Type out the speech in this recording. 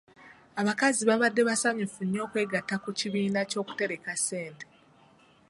Abakazi baabadde basanyufu nnyo okwegatta ku kibiina ky'okutereka ssente.